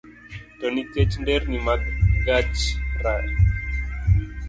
To nikech sani nderni mag gach re